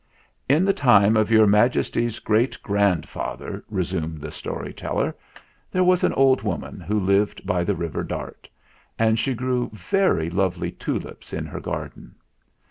"In the time of Your Majesty's great grandfather/' resumed the story teller, "there was an old woman who lived by the river Dart, and she grew very lovely tulips in her garden.